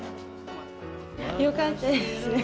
よかったですね。